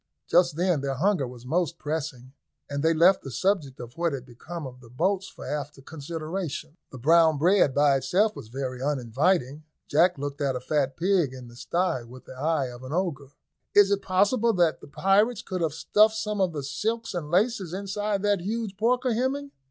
Just then their hunger was most pressing, and they left the subject of what had become of the boats for after consideration. The brown bread by itself was very uninviting. Jack looked at a fat pig in the sty with the eye of an ogre. "Is it possible that the pirates could have stuffed some of the silks and laces inside that huge porker, Hemming?"